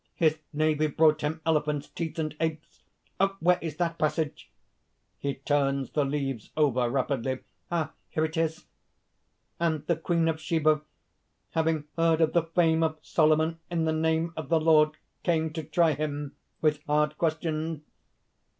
His navy brought him elephants' teeth and apes.... Where is that passage?" (He turns the leaves over rapidly.) "Ah! here it is:" _'And the Queen of Saba, having heard of the fame of Solomon in the name of the Lord, came to try him with hard questions.'